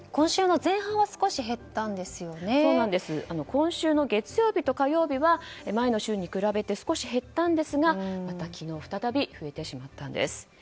今週の月曜日と火曜日は前の週に比べて少し減ったんですが、また昨日再び増えてしまったんです。